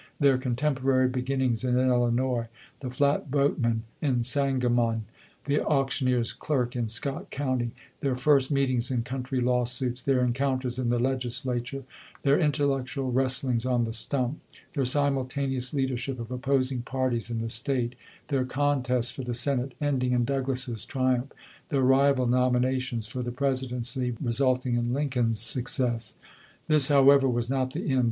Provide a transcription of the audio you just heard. — then* contemporary beginnings in Illinois ; the flat boat man in Sangamon, the auctioneer's clerk in Scott County ; their first meetings in country lawsuits ; their encounters in the Legislature ; their intellect ual wi'estlings on the stump; their simultaneous leadership of opposing parties in the State; their contest for the Senate, ending in Douglas's tri umph ; their rival nominations for the Presidency, resulting in Lincoln's success. This, however, was not the end.